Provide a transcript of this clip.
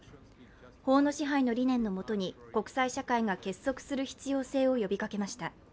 法の支配の理念の下に、国際社会が結束する必要性を呼びかけました。